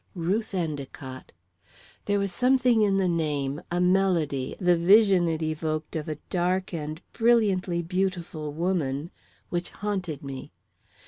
"Ruth Endicott." There was a something in the name a melody, the vision it evoked of a dark and brilliantly beautiful woman which haunted me.